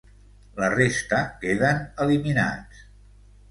La resta queden eliminats.